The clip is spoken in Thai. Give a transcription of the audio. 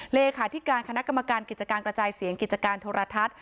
เลขาธิการคณะกรรมการกิจการกระจายเสียงกิจการโทรทัศน์